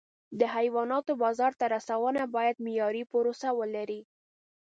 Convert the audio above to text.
د حیواناتو بازار ته رسونه باید معیاري پروسه ولري.